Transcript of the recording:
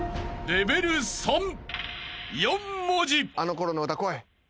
あの頃の歌来い。